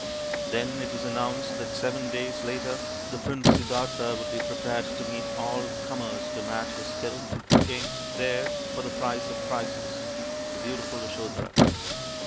Then it was announced that seven days later the Prince Siddartha would be prepared to meet all comers to match his skill against theirs for the prize of prizes, the beautiful Yasodhara.